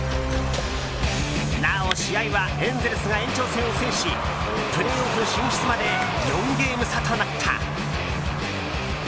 なお、試合はエンゼルスが延長戦を制しプレーオフ進出まで４ゲーム差となった。